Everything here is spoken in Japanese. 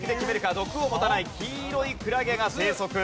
毒を持たない黄色いクラゲが生息。